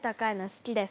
好きです！